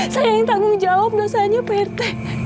saya yang tanggung jawab dosanya pak rt